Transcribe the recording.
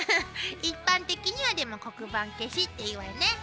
一般的にはでも黒板消しって言うわね。